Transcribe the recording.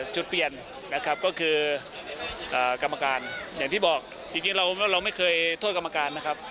จุดเปลี่ยนนะครับก็คือกรรมการอย่างที่บอกจริงเราไม่เคยโทษกรรมการนะครับ